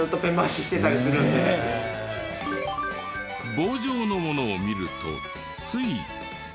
棒状のものを見るとつい。